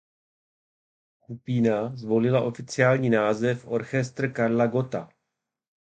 Skupina zvolila oficiální název Orchestr Karla Gotta.